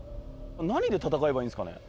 何で戦えばいいんですかね